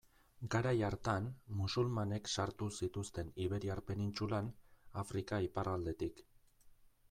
Garai hartan, musulmanek sartu zituzten Iberiar penintsulan, Afrika iparraldetik.